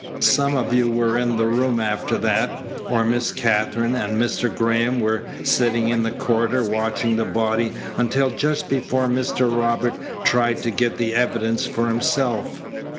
Some of you were in the room after that, or Miss Katherine and Mr. Graham were sitting in the corridor watching the body until just before Mr. Robert tried to get the evidence for himself.